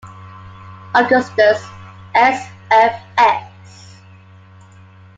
Augustus S. F. X.